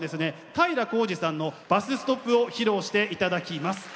平浩二さんの「バス・ストップ」を披露して頂きます。